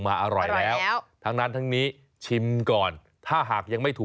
กล้าเป็นไงล่ะ